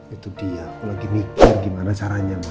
itu dia aku lagi mikir gimana caranya ma